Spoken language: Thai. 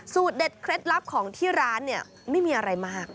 เด็ดเคล็ดลับของที่ร้านเนี่ยไม่มีอะไรมาก